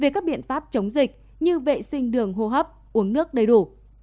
về các biện pháp chống dịch như vệ sinh đường hô hấp uống nước đầy đủ